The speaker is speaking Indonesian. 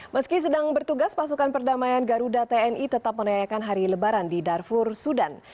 meski sedang bertugas pasukan perdamaian garuda tni tetap merayakan hari lebaran di darfur sudan